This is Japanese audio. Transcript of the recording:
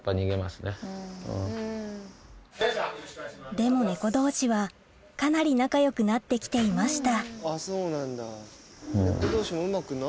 でも猫同士はかなり仲よくなって来ていました